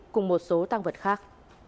cùng một số tăng vật khác